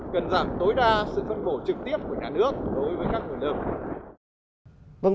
cần giảm tối đa sự phân bổ trực tiếp của nhà nước đối với các nguồn lực